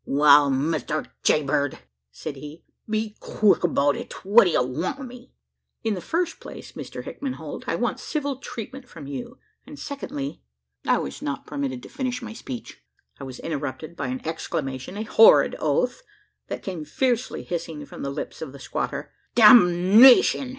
"Wal, Mister Jaybird," said he, "be quick 'bout it! What d'ye want wi' me?" "In the first place Mr Hickman Holt, I want civil treatment from you; and secondly " I was not permitted to finish my speech. I was interrupted by an exclamation a horrid oath that came fiercely hissing from the lips of the squatter. "Damnation!"